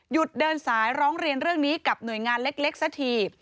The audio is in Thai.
เดินสายร้องเรียนเรื่องนี้กับหน่วยงานเล็กสักที